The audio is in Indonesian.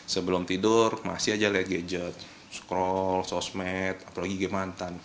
sebelum tidur masih aja lihat gadget scroll sosmed apalagi game mantan